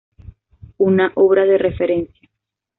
Una obra de referencia.